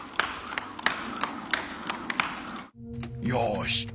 よし。